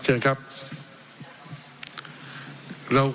เชิญครับ